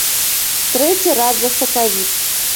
Трэці раз за сакавік.